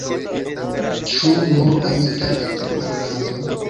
Ĉu nur amikan interparoladon?